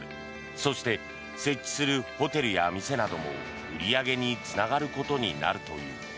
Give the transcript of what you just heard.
そして、設置するホテルや店なども売り上げにつながることになるという。